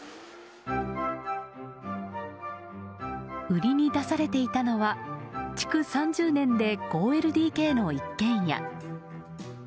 売りに出されていたのは築３０年で５ＬＤＫの一軒家。